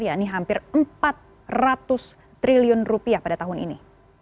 ya ini hampir rp empat ratus pada tahun ini